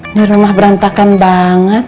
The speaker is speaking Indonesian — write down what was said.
ini rumah berantakan banget